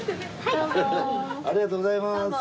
ありがとうございます。